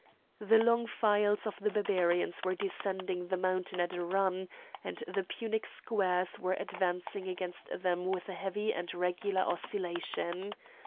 The long files of the Barbarians were descending the mountain at a run, and the Punic squares were advancing against them with a heavy and regular oscillation.